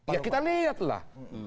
ya kita lihat lah